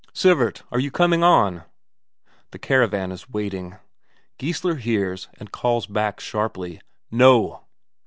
"Sivert, are you coming on?" The caravan is waiting. Geissler hears, and calls back sharply: "No."